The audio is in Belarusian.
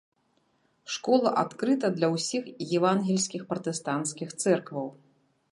Школа адкрыта для ўсіх евангельскіх пратэстанцкіх цэркваў.